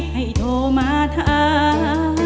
ให้โทรมาถาม